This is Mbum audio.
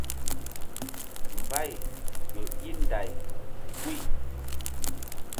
Mbay ƴo í nday guy.